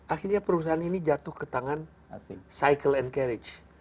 akhirnya perusahaan ini jatuh ke tangan cycle and carriage